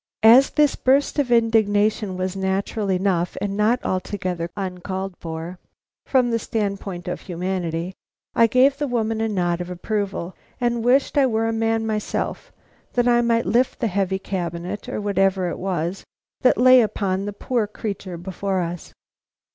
As this burst of indignation was natural enough and not altogether uncalled for from the standpoint of humanity, I gave the woman a nod of approval, and wished I were a man myself that I might lift the heavy cabinet or whatever it was that lay upon the poor creature before us.